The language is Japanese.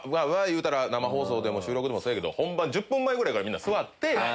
生放送でも収録でもそうやけど本番１０分前ぐらいからみんな座って。